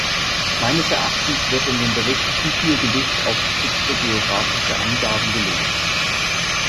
Meines Erachtens wird in dem Bericht zu viel Gewicht auf geschützte geographische Angaben gelegt.